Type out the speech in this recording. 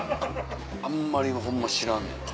あんまりホンマ知らんねんな。